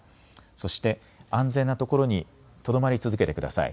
そして安全な所にとどまり続けてください。